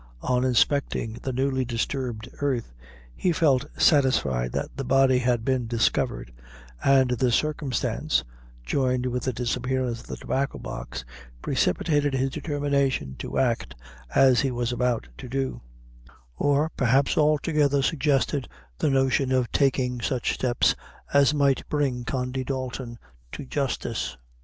On inspecting the newly disturbed earth, he felt satisfied that the body had been discovered, and this circumstance, joined with the disappearance of the Tobacco box, precipitated his determination to act as he was about to do; or, perhaps altogether suggested the notion of taking such steps as might bring Condy Dalton to justice.